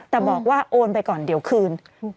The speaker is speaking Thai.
แต่บอกว่าโอนไปก่อนเดี๋ยวคืน